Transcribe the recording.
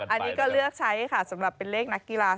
อันนี้ก็เลือกใช้ค่ะสำหรับเป็นเลขนักกีฬา